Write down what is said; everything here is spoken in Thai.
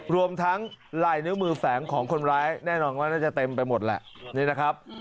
รวมทั้งลายนิ้วมือแฝงของคนร้ายแน่นอนว่าน่าจะเต็มไปหมดแหละนี่นะครับ